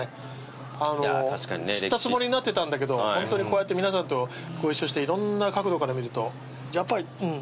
知ったつもりになってたんだけどホントにこうやって皆さんとご一緒していろんな角度から見るとやっぱりうん知らないね。